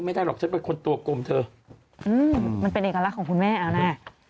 ไม่ได้หรอกเต้นชั่วคนตัวกลมเธอมันเป็นเอกลักษณ์ของคุณแม่นะ